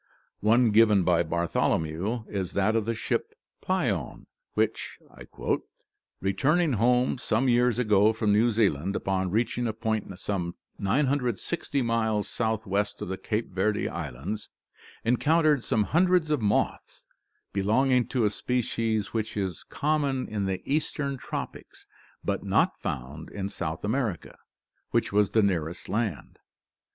One given by Bartholomew is that of the ship Pleione, which "returning home some years ago from New Zealand, upon reaching a point some 960 miles south west of the Cape Verde Islands, encountered some hundreds of moths belonging to a species which is common in the Eastern Tropics, but not found in South America, which was the nearest land.